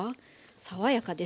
爽やかですよ。